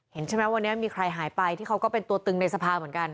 ใช่ไหมวันนี้มีใครหายไปที่เขาก็เป็นตัวตึงในสภาเหมือนกัน